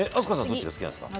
どっちが好きなんですか？